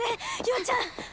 陽ちゃん！